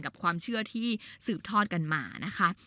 กับความเชื่อที่สืบทอดกันมานะคะ